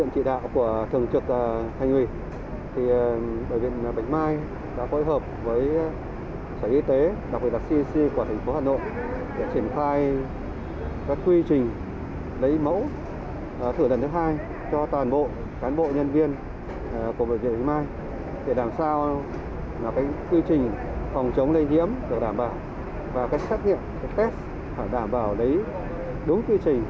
công tác lấy mẫu xét nghiệm đảm bảo lấy đúng quy trình đủ chất lượng